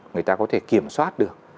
người ta có thể kiểm soát được